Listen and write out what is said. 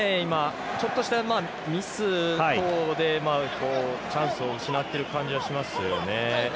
ちょっとしたミス等でチャンスを失ってる感じがしますよね。